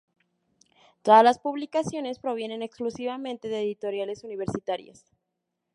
Todas las publicaciones provienen exclusivamente de editoriales universitarias.